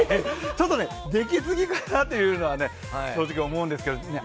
ちょっとできすぎくらいかなとは正直、思うんですけど。